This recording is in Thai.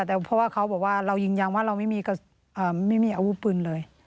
แต่เพราะว่าเขาบอกว่าเรายืนยันว่าเราไม่มีอาวุธปืนเลย